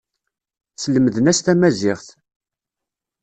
Slemden-as tamaziɣt.